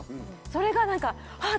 それが何かハッ！